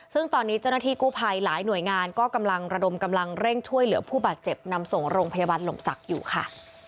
ซึ่งตอนนี้เจ้าหน้าที่กู้ภัยหลายหน่วยงานก็กำลังระดมกำลังเร่งช่วยเหลือผู้บาดเจ็บนำส่งโรงพยาบาลลมศักดิ์อยู่ค่ะ